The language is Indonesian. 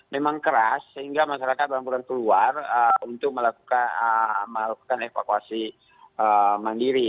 memang keras sehingga masyarakat berhamburan keluar untuk melakukan evakuasi mandiri